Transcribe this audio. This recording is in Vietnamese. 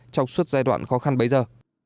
trong suốt giai đoạn khó khăn bây giờ